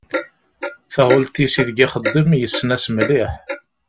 Taɣult-is i deg ixeddem yessen-as mliḥ.